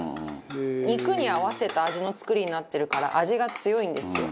肉に合わせた味の作りになってるから味が強いんですよ。